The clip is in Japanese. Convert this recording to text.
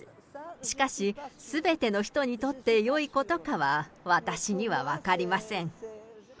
しかし、すべての人にとってよいことかは、私には分かりません。